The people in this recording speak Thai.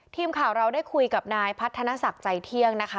ทีมข่าวเราได้คุยกับนายพัฒนศักดิ์ใจเที่ยงนะคะ